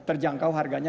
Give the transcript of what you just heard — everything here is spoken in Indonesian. yang kedua jangkau harganya